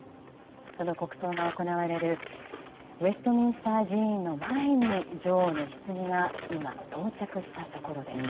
その国葬が行われるウェストミンスター寺院の前に女王のひつぎが今到着したところです。